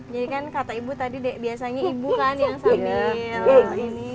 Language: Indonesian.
jadi kan kata ibu tadi biasanya ibu kan yang sambil ini